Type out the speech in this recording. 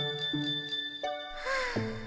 はあ。